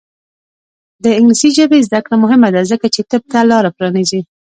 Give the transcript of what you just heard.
د انګلیسي ژبې زده کړه مهمه ده ځکه چې طب ته لاره پرانیزي.